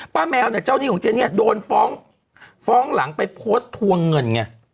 ป้าแมวเนี่ยเจ้านี่ของเจนนี่โดนฟ้องหลังไปโพสต์ทวงเงิน